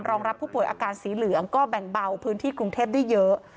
รับผู้ป่วยอาการสีเหลืองก็แบ่งเบาพื้นที่กรุงเทพได้เยอะ